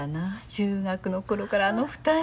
中学の頃からあの２人。